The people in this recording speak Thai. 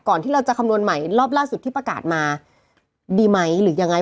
ที่เราจะคำนวณใหม่รอบล่าสุดที่ประกาศมาดีไหมหรือยังไง